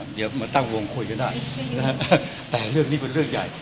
เดี๋ยวมาตั้งวงคุยกันได้นะฮะแต่เรื่องนี้เป็นเรื่องใหญ่